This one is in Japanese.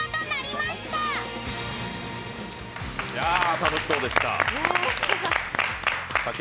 楽しそうでした。